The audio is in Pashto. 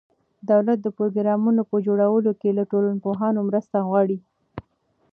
دولت د پروګرامونو په جوړولو کې له ټولنپوهانو مرسته غواړي.